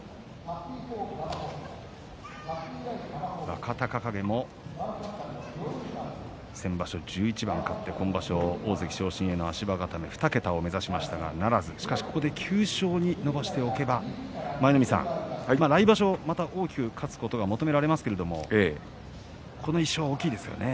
若隆景も先場所１１番、勝って今場所、大関昇進への足場固め２桁を目指しましたが、ならずしかし星を９勝に伸ばしておけば来場所また大きく勝つことを求められますがこの１勝は大きいですよね。